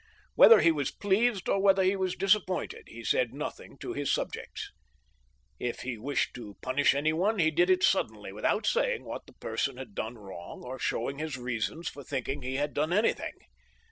Whether he was pleased or whether he was disappointed, he said nothing to his subjects. If he wished to punish any one, he did it suddenly, without saying what the person had done wrong, or showing his reasons for thinking he had done anything.